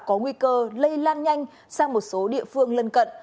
có nguy cơ lây lan nhanh sang một số địa phương lân cận